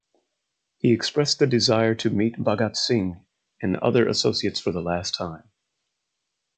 He expressed the desire to meet Bhagat Singh and other associates for last time.